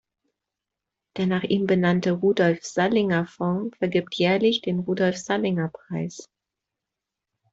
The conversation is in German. Der nach ihm benannte Rudolf-Sallinger-Fonds vergibt jährlich den Rudolf-Sallinger-Preis.